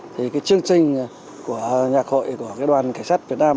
thì chương trình của nhà khội của đoàn cảnh sát việt nam